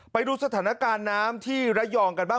ไปดูสถานการณ์น้ำที่ระยองกันบ้าง